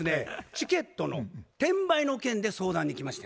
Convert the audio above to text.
チケットの転売の件で相談に来まして。